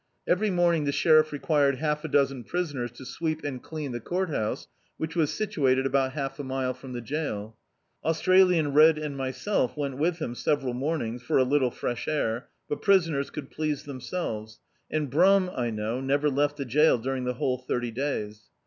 Every morning the sheriff required half a dozen prisoners to sweep and clean the court house, which was situated about half a mile from the jaiL Aus tralian Red and myself went with him several morn ings, for a little fresh air, but prisoners could please themselves, and Brum, I know, never left the jail during the whole thirty days.